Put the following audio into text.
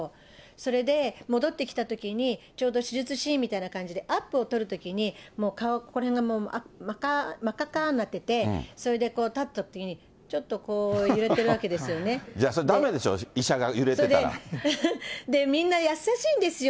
それで、戻ってきたときに、ちょうど手術シーンみたいな感じで、アップを撮るときに、もう顔、ここらへんが真っ赤っかになってて、それでこう立つときに、ちょそれだめでしょ、医者が揺れで、みんな優しいんですよ。